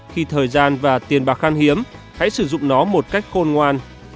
khi thời gian và tiền bạc khăn hiếm hãy sử dụng nó một cách khôn ngoan